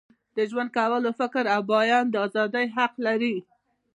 د ژوند کولو، فکر او بیان د ازادۍ حق لري.